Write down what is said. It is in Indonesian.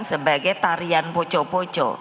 sebagai tarian poco poco